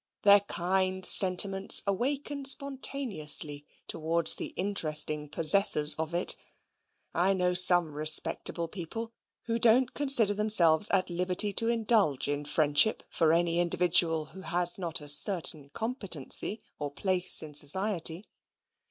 Their kind sentiments awaken spontaneously towards the interesting possessors of it. I know some respectable people who don't consider themselves at liberty to indulge in friendship for any individual who has not a certain competency, or place in society.